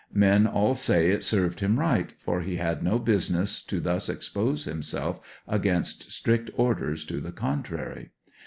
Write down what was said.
Men all say it served him rigUt, for he had no business to thus expose himselt against strict orders to the contrary.